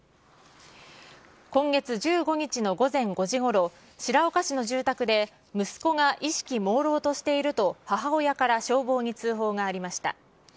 今月１５日の午前５時ごろ、白岡市の住宅で息子が意識もうろうとしていると、母親から消防に通報がありました。